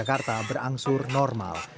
jakarta berangsur normal